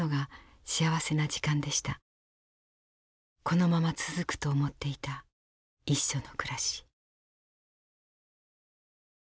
このまま続くと思っていた一緒の暮らし。